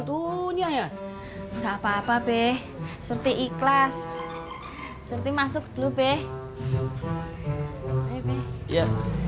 punya ya enggak apa apa be surti ikhlas surti masuk dulu be hai bebek ya